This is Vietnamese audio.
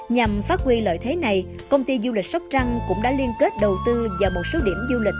nhằm phát huy lợi thế này công ty du lịch sóc trăng cũng đã liên kết đầu tư vào một số điểm du lịch